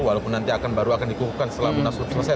walaupun nanti akan baru akan dikukuhkan setelah munasulup selesai